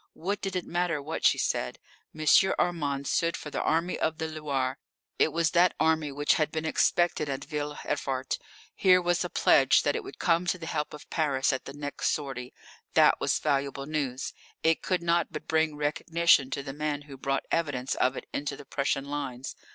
What did it matter what she said? M. Armand stood for the Army of the Loire. It was that army which had been expected at Ville Evrart. Here was a pledge that it would come to the help of Paris at the next sortie. That was valuable news it could not but bring recognition to the man who brought evidence of it into the Prussian lines.